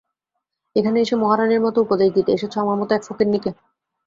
এখানে এসে মহারানীর মতো উপদেশ দিতে এসেছ আমার মতো এক ফকিন্নিকে।